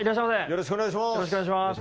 よろしくお願いします！